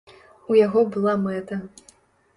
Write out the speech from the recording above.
У яго была мэта.